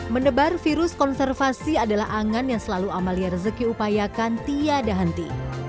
mendebar virus konservasi adalah angan yang selalu amalia rezeki upayakan tiada henti